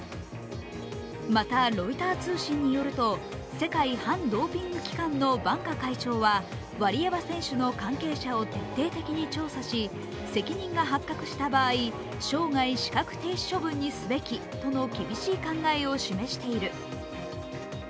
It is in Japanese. また、ロイター通信によると世界反ドーピング機関のバンカ会長はワリエワ選手の関係者を徹底的に調査し、責任が発覚した場合、生涯資格停止処分にすべきとの厳しい考えを示している。